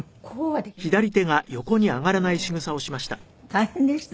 大変でしたね。